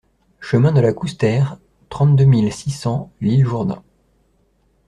Chemin de la Coustère, trente-deux mille six cents L'Isle-Jourdain